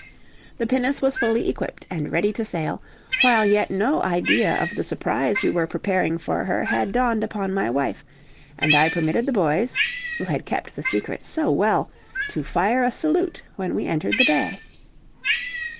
The pinnace was fully equipped and ready to sail, while yet no idea of the surprise we were preparing for her had dawned upon my wife, and I permitted the boys, who had kept the secret so well, to fire a salute when we entered the bay.